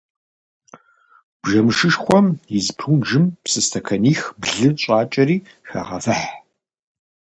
Бжэмышхышхуэм из прунжым псы стэканих-блы щӏакӏэри, хагъэвыхь.